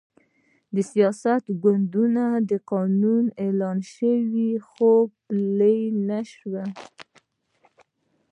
د سیاسي ګوندونو قانون اعلان شو، خو پلی نه شو.